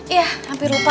iya hampir lupa